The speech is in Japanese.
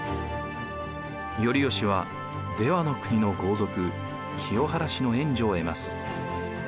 頼義は出羽国の豪族清原氏の援助を得ます。